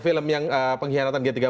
film yang pengkhianatan g tiga puluh spki nya